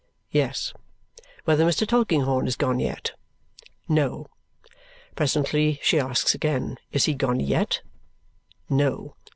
Yes. Whether Mr. Tulkinghorn is gone yet? No. Presently she asks again, is he gone YET? No.